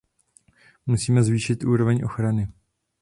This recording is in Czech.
Musíme zvýšit úroveň ochrany.